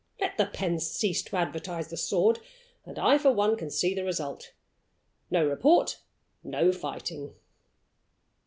Let the pen cease to advertise the sword, and I, for one, can see the result. No report no fighting."